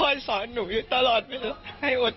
ต่างฝั่งในบอสคนขีดบิ๊กไบท์